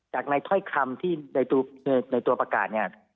จากในถ้อยคำที่ในตัวประกาศเนี่ย